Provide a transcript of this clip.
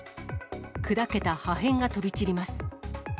砕けた破片が飛び散ります。